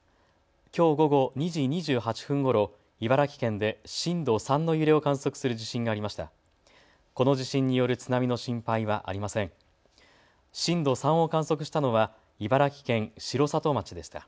きょう午後２時２８分ごろ茨城県で震度３の揺れを観測する地震がありました。